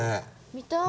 見たい。